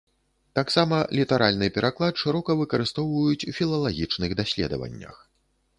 Таксама літаральны пераклад шырока выкарыстоўваюць у філалагічных даследаваннях.